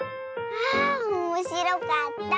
あおもしろかった。